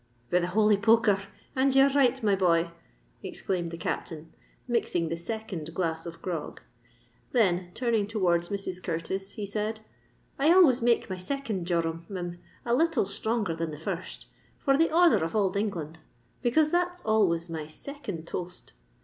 "Be the holy poker r! and ye're right, my boy!" exclaimed the Captain, mixing the second glass of grog; then, turning towards Mrs. Curtis, he said, "I always make my second jorum, Mim, a little stronger than the first, for the honour of ould England; because that's always my second toast!